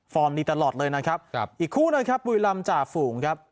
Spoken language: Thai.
ดีตลอดเลยนะครับครับอีกคู่นะครับบุรีรำจ่าฝูงครับ